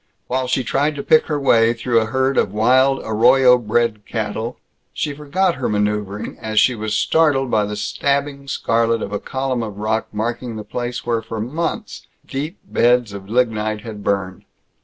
While she tried to pick her way through a herd of wild, arroyo bred cattle, she forgot her maneuvering as she was startled by the stabbing scarlet of a column of rock marking the place where for months deep beds of lignite had burned.